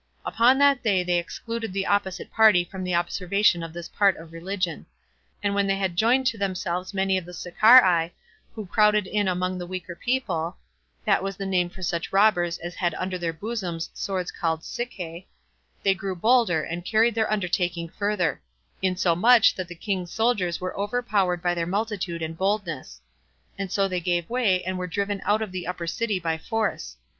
Upon that day they excluded the opposite party from the observation of this part of religion. And when they had joined to themselves many of the Sicarii, who crowded in among the weaker people, [that was the name for such robbers as had under their bosoms swords called Sicae,] they grew bolder, and carried their undertaking further; insomuch that the king's soldiers were overpowered by their multitude and boldness; and so they gave way, and were driven out of the upper city by force.